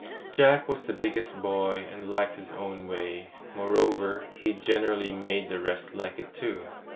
Jack was the biggest boy, and liked his own way. Moreover, he generally made the rest like it too.